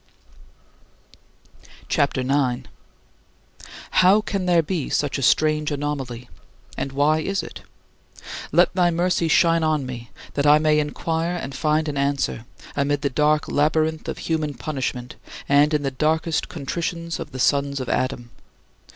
CHAPTER IX 21. How can there be such a strange anomaly? And why is it? Let thy mercy shine on me, that I may inquire and find an answer, amid the dark labyrinth of human punishment and in the darkest contritions of the sons of Adam.